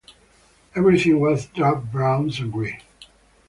Everything was drab browns and grey.